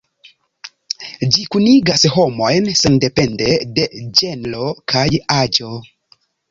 Ĝi kunigas homojn sendepende de ĝenro kaj aĝo.